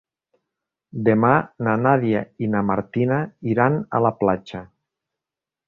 Demà na Nàdia i na Martina iran a la platja.